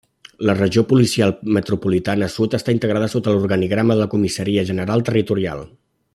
La Regió Policial Metropolitana Sud està integrada sota l'organigrama de la Comissaria General Territorial.